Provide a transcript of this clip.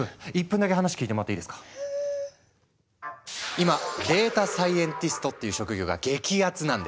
今データサイエンティストっていう職業が激アツなんです！